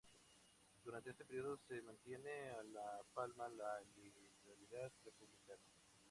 Durante este período se mantiene en La Palma la legalidad republicana.